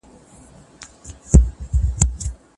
کرنه بايد پرمختللې سي.